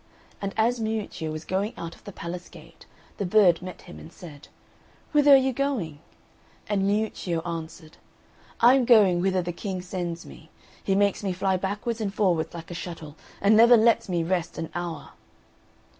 And as Miuccio was going out of the palace gate, the bird met him, and said, "Whither are you going?" and Miuccio answered, "I am going whither the King sends me; he makes me fly backwards and forwards like a shuttle, and never lets me rest an hour."